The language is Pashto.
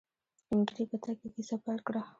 سپينږيري په تګ کې کيسه پيل کړه.